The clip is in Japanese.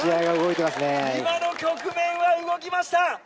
今の局面は動きました！